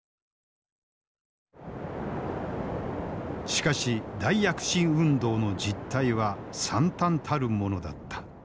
しかし大躍進運動の実態はさんたんたるものだった。